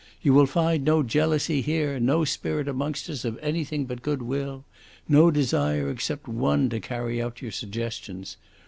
"You will find no jealousy here; no spirit amongst us of anything but good will; no desire except one to carry out your suggestions.